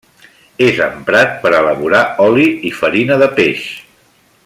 És emprat per a elaborar oli i farina de peix.